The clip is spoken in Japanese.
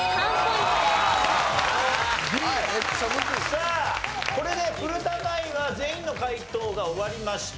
さあこれで古田ナインは全員の解答が終わりました。